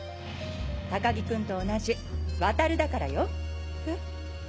高木君と同じワタルだからよ。え？